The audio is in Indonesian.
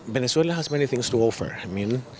venezuela memiliki banyak hal yang harus diberikan